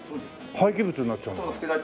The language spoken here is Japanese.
廃棄物になっちゃうのかな？